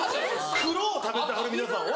黒を食べてはる皆さんは。